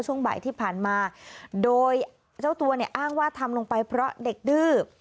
ช่วงบ่ายที่ผ่านมาโดยเจ้าตัวเนี่ยอ้างว่าทำลงไปเพราะเด็กดื้อ